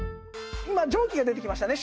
今蒸気が出てきましたね